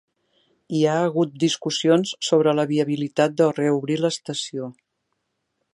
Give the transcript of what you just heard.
Hi ha hagut discussions sobre la viabilitat de reobrir l'estació.